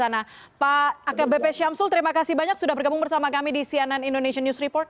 nah pak akbp syamsul terima kasih banyak sudah bergabung bersama kami di cnn indonesian news report